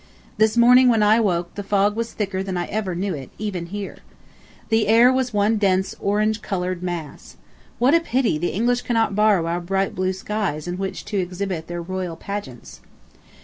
This morning when I awoke the fog was thicker than I ever knew it, even here. The air was one dense orange colored mass. What a pity the English cannot borrow our bright blue skies in which to exhibit their royal pageants!